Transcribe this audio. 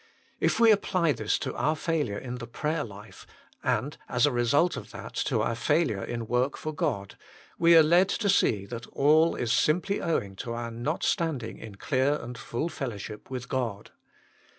If we apply this to our failure in the prayer life, and as a result of that to our failure in work for God, we are led to see that all is simply owing to our not standing in clear and full fellowship with God.